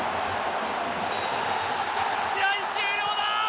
試合終了だ。